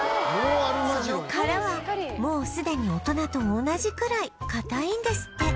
その殻はもうすでに大人と同じくらい硬いんですって